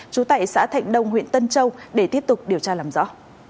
trú tại xã thạnh đông huyện tân châu để tiếp tục điều tra làm rõ